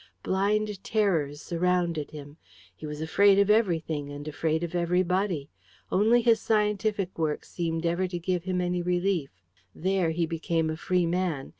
Blind terrors surrounded him. He was afraid of everything, and afraid of everybody. Only his scientific work seemed ever to give him any relief. There, he became a free man.